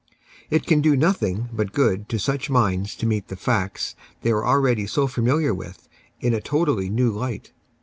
It can do nothing but good to such minds to meet the facts they are already so familiar with in a totally new light.